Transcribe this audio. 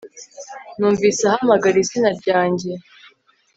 numvise ahamagara izina ryanjye